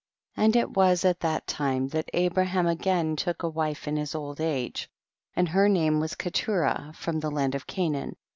And it was at that time that Abiaham again took a wife in his old age, and her name was Keturah, from the land of Canaan.